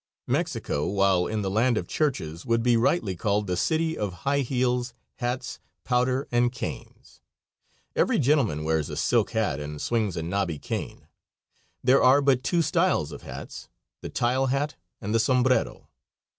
Mexico, while in the land of churches, would be rightly called the city of high heels, hats, powder and canes. Every gentleman wears a silk hat and swings a "nobby" cane. There are but two styles of hats the tile hat and the sombrero.